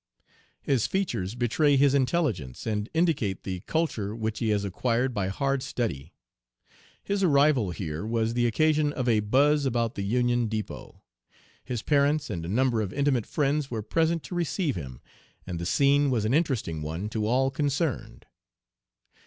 His features betray his intelligence, and indicate the culture which he has acquired by hard study. His arrival here was the occasion of a buzz about the Union depot. His parents and a number of intimate friends were present to receive him, and the scene was an interesting one to all concerned.